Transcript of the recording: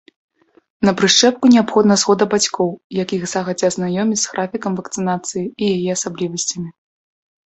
На прышчэпку неабходна згода бацькоў, якіх загадзя азнаёмяць з графікам вакцынацыі і яе асаблівасцямі.